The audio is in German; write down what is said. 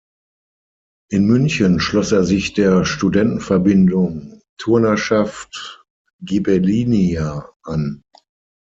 In München schloss er sich der Studentenverbindung "Turnerschaft Ghibellinia" an.